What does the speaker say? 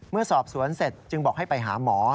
เมื่อสอบสวนเสร็จจึงบอกให้ไปหาหมอ